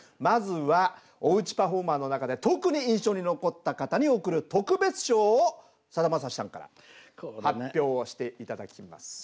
まずはおうちパフォーマーの中で特に印象に残った方に贈る特別賞をさだまさしさんから発表して頂きます。